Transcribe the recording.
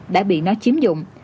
đã bị nó chiếm dụng